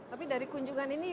tapi dari kunjungan ini